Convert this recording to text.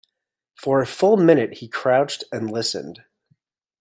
For a full minute he crouched and listened.